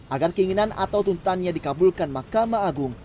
agar keinginan atau tuntutannya dikabulkan mahkamah agung